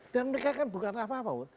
dan mereka kan bukan apa apa